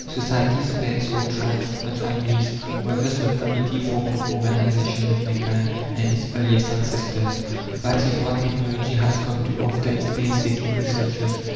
Societies, bands, or tribes not families were thus the primitive form of organization of mankind and its earliest ancestors. That is what ethnology has come to after its painstaking researches.